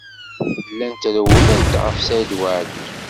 Llant rewwlent ɣef Saɛid Waɛli.